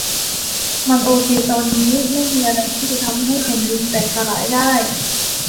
มันโอเคตอนนี้ ไม่มีอะไรที่จะทำให้แผ่นดินแตกสลายได้